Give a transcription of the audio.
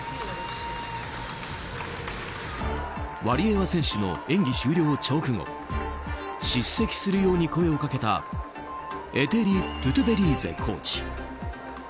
ワリエワ選手の演技終了直後叱責するように声をかけたエテリ・トゥトベリーゼコーチ。